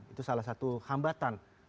itu salah satu hambatan